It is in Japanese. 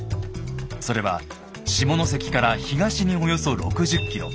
それは下関から東におよそ６０ｋｍ。